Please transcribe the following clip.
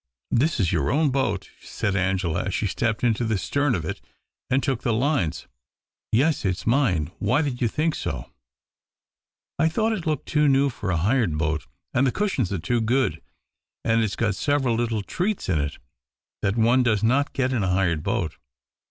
"This is your own boat," said Angela, as she stepped into the stern of it and took the lines. " Yes ; it's mine. Why did you think so ?'" I thought it looked too new for a hired boat ; and the cushions are too good ; and it's got several little treats in it that one does not get in a hired boat."